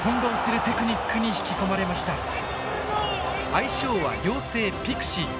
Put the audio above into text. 愛称は妖精「ピクシー」。